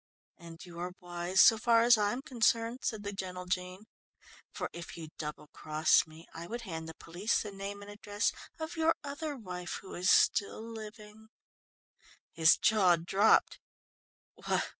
"And you are wise, so far as I am concerned," said the gentle Jean. "For if you double crossed me, I should hand the police the name and address of your other wife who is still living." His jaw dropped.